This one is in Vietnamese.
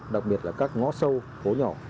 đặc biệt là các ngõ sâu phố nhỏ